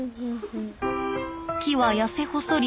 木は痩せ細り